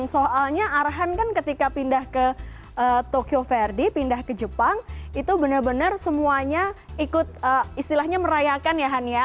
soalnya arhan kan ketika pindah ke tokyo verde pindah ke jepang itu benar benar semuanya ikut istilahnya merayakan ya han ya